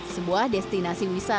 sebuah destinasi wisata